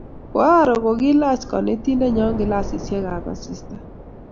koaroo kokiilach konetindenyo kilasisyekab asista.